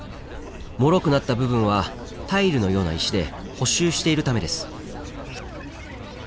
もろくなった部分はタイルのような石で補修しているためです。